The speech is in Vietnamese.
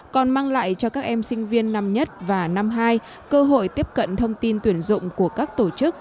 còn mang lại cho các em sinh viên năm nhất và năm hai cơ hội tiếp cận thông tin tuyển dụng của các tổ chức